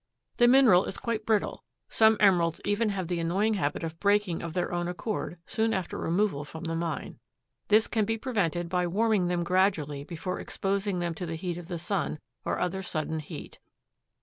The mineral is quite brittle. Some emeralds even have the annoying habit of breaking of their own accord soon after removal from the mine. This can be prevented by warming them gradually before exposing them to the heat of the sun or other sudden heat.